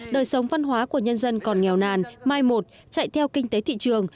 đời sống văn hóa của nhân dân còn nghèo nàn mai một chạy theo kinh tế thị trường